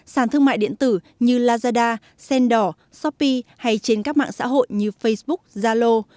sàn thương mại điện tử như lazada sendor shopee hay trên các mạng xã hội như facebook zalo